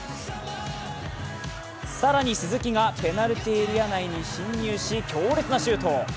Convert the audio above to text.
更に鈴木がペナルティーエリア内に進入し強烈なシュート。